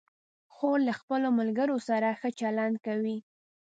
خور له خپلو ملګرو سره ښه چلند کوي.